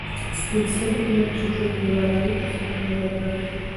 سپین سرې وویل چې ژوند د مبارزې او صبر یو ډګر دی.